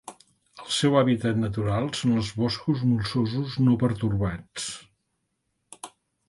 El seu hàbitat natural són els boscos molsosos no pertorbats.